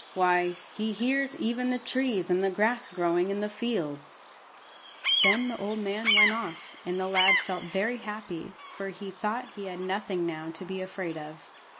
Why, he hears even the trees and the grass growing in the fields!" Then the old man went off, and the lad felt very happy, for he thought he had nothing now to be afraid of.